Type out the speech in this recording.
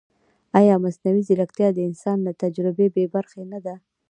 ایا مصنوعي ځیرکتیا د انسان له تجربې بېبرخې نه ده؟